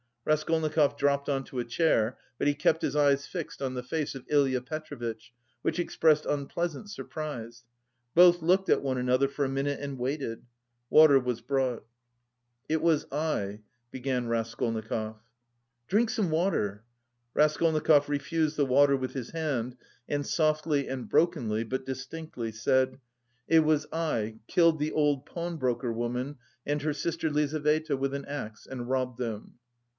Raskolnikov dropped on to a chair, but he kept his eyes fixed on the face of Ilya Petrovitch, which expressed unpleasant surprise. Both looked at one another for a minute and waited. Water was brought. "It was I..." began Raskolnikov. "Drink some water." Raskolnikov refused the water with his hand, and softly and brokenly, but distinctly said: "_It was I killed the old pawnbroker woman and her sister Lizaveta with an axe and robbed them.